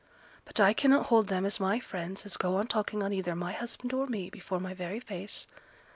But I cannot hold them as my friends as go on talking on either my husband or me before my very face.